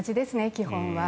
基本は。